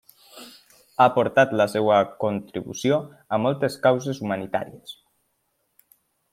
Ha aportat la seva contribució a moltes causes humanitàries.